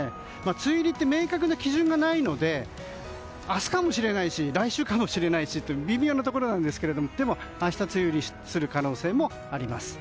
梅雨入りって明確な基準がないので明日かもしれないし来週かもしれないしという微妙なところなんですがでも明日梅雨入りする可能性もあります。